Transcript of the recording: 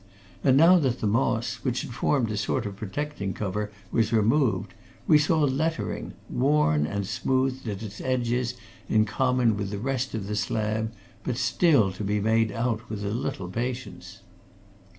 And now that the moss, which had formed a sort of protecting cover, was removed, we saw lettering, worn and smoothed at its edges in common with the rest of the slab, but still to be made out with a little patience.